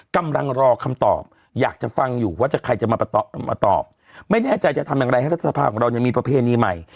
กำลังรอคำตอบอยากจะฟังอยู่ว่าจะใครจะมาตอบไม่แน่ใจจะทำอย่างไรให้รัฐสภาของเราเนี่ยมีประเพณีใหม่